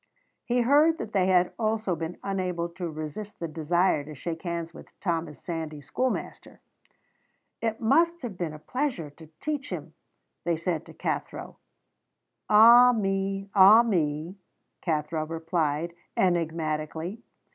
He heard that they had also been unable to resist the desire to shake hands with Thomas Sandys's schoolmaster. "It must have been a pleasure to teach him," they said to Cathro. "Ah me, ah me!" Cathro replied enigmatically.